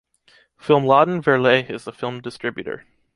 Filmladen-Verleih is the film distributor.